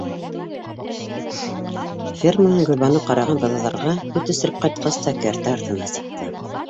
Ферманан Гөлбаныу ҡараған быҙауҙарға һөт эсереп ҡайтҡас та кәртә артына сыҡты.